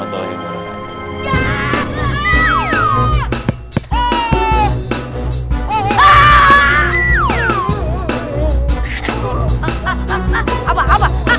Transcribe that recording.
waalaikumsalam warahmatullahi wabarakatuh